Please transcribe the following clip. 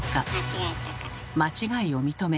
間違いを認め